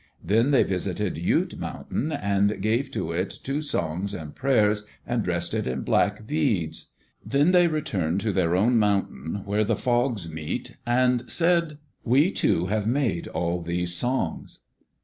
They then visited Ute Mountain and gave to it two songs and prayers and dressed it in black beads. Then they returned to their own mountain where the fogs meet and said, "We two have made all these songs."